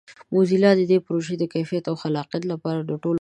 موزیلا د دې پروژې د کیفیت او خلاقیت لپاره د ټولو غوښتنې لري.